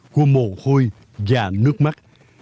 của mồ hôi và nước mắt